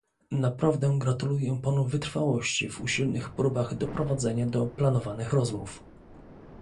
Naprawdę gratuluję panu wytrwałości w usilnych próbach doprowadzenia do planowanych rozmów